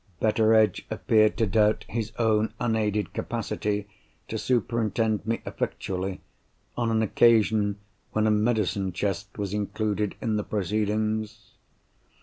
Betteredge appeared to doubt his own unaided capacity to superintend me effectually, on an occasion when a medicine chest was included in the proceedings.